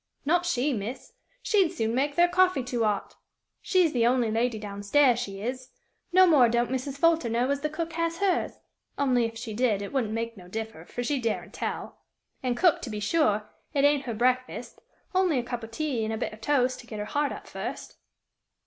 "Not she, miss; she'd soon make their coffee too 'ot! She's the only lady down stairs she is! No more don't Mrs. Folter know as the cook has hers, only, if she did, it wouldn't make no differ, for she daren't tell. And cook, to be sure, it ain't her breakfast, only a cup o' tea an' a bit o' toast, to get her heart up first."